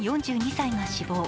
４２歳が死亡。